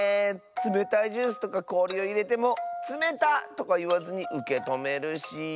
つめたいジュースとかこおりをいれても「つめた！」とかいわずにうけとめるし。